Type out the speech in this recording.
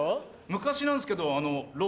昔なんすけど。